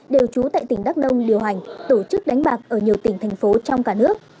đều trú tại tỉnh đắk nông điều hành tổ chức đánh bạc ở nhiều tỉnh thành phố trong cả nước